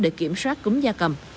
để kiểm soát cúm da cầm